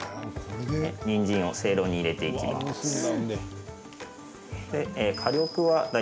にんじんをせいろに入れていきます。